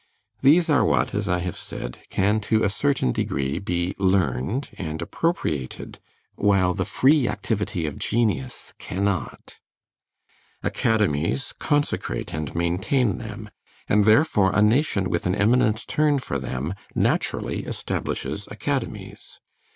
These are what, as I have said, can to a certain degree be learned and appropriated, while the free activity of genius cannot. Academies consecrate and maintain them, and therefore a nation with an eminent turn for them naturally establishes academies.